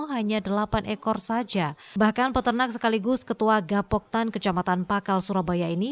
hanya delapan ekor saja bahkan peternak sekaligus ketua gapoktan kecamatan pakal surabaya ini